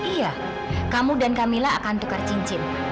iya kamu dan camilla akan tukar cincin